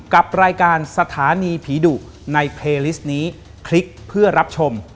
ขอบคุณนะครับ